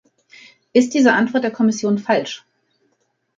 Ist diese Antwort der Kommission falsch?